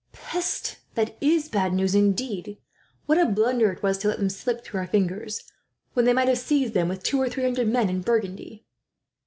"Peste! That is bad news, indeed. What a blunder it was to let them slip through their fingers, when they might have seized them with two or three hundred men, in Burgundy."